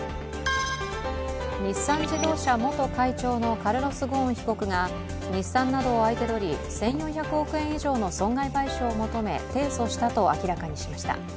日産自動車元会長のカルロス・ゴーン被告が日産などを相手取り１４００億円以上の損害賠償を求め提訴したと明らかにしました。